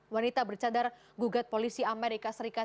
wanita bercadar gugat polisi amerika serikat